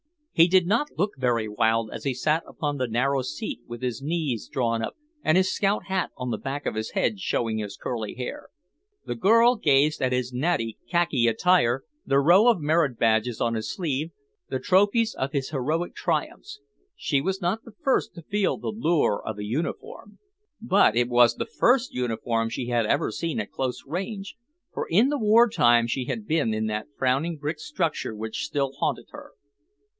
He did not look very wild as he sat upon the narrow seat with his knees drawn up and his scout hat on the back of his head showing his curly hair. The girl gazed at his natty khaki attire, the row of merit badges on his sleeve, the trophies of his heroic triumphs. She was not the first to feel the lure of a uniform. But it was the first uniform she had ever seen at close range, for in the wartime she had been in that frowning brick structure which still haunted her.